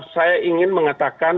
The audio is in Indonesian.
saya ingin mengatakan